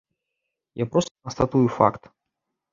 Я проста канстатую факт.